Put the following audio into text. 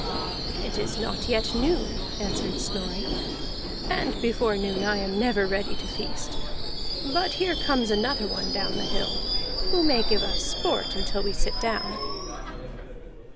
"It is not yet noon," answered Snorri, "and before noon I am never ready to feast. But here comes another one down the hill, who may give us sport until we sit down."